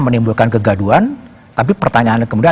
menimbulkan kegaduan tapi pertanyaannya kemudian